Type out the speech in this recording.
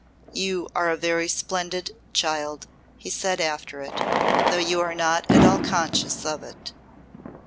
"You are very splendid, child," he said after it, "though you are not at all conscious of it."